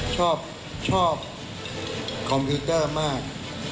ชอบชอบคอมพิวเตอร์มาก